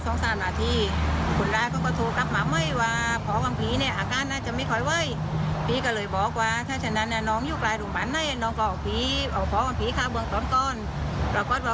นี่ค่ะคุณอำพันธ์ลูกสาวคุณลุงที่เป็นลมนะคะ